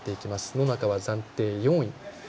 野中は暫定４位。